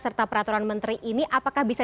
serta peraturan menteri ini apakah bisa